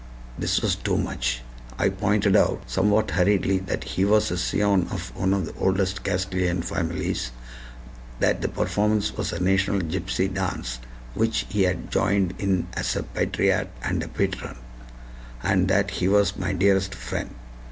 This was too much. I pointed out somewhat hurriedly that he was a scion of one of the oldest Castilian families, that the performance was a national gypsy dance which he had joined in as a patriot and a patron, and that he was my dearest friend.